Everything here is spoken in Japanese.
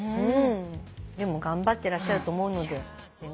でも頑張ってらっしゃると思うので。